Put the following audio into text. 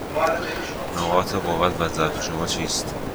نقاط قوت و ضعف شما چیست؟